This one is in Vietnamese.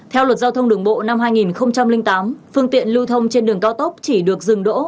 theo luật giao thông đường bộ năm hai nghìn tám phương tiện lưu thông trên đường cao tốc chỉ được dừng đỗ